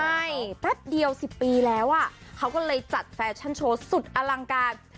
ใช่แป๊บเดียว๑๐ปีแล้วอ่ะเขาก็เลยจัดแฟชั่นโชว์สุดอลังการ